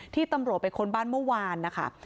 ที่ตำรวจไปค้นบ้านเมื่อวานนะคะ